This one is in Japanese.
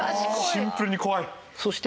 シンプルに怖い！